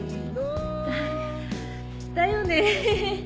だだよね。